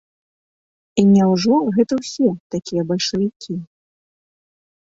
І няўжо гэта ўсе такія бальшавікі.